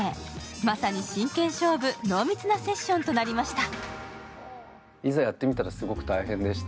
まさに真剣勝負、濃密なセッションとなりました。